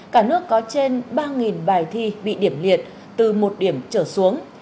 cả nước có trên ba bài thi bị điểm liệt từ một điểm trở xuống